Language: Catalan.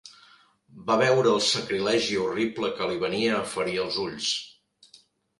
Va veure el sacrilegi horrible que li venia a ferir els ulls.